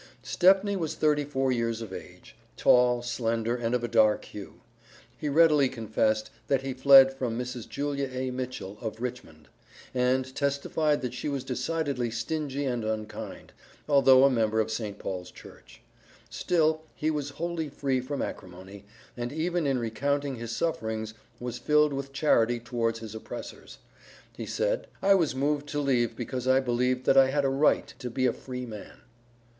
Stepney was thirty four years of age, tall, slender, and of a dark hue. He readily confessed that he fled from Mrs. Julia A. Mitchell, of Richmond; and testified that she was decidedly stingy and unkind, although a member of St. Paul's church. Still he was wholly free from acrimony, and even in recounting his sufferings was filled with charity towards his oppressors. He said, "I was moved to leave because I believed that I had a right to be a free man."